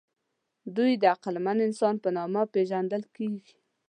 دوی د عقلمن انسان په نامه پېژندل کېږي.